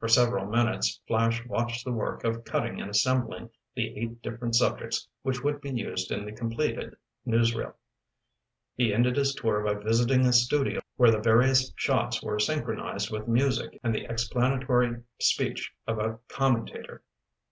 For several minutes Flash watched the work of cutting and assembling the eight different subjects which would be used in the completed newsreel. He ended his tour by visiting a studio where the various shots were synchronized with music and the explanatory speech of a commentator.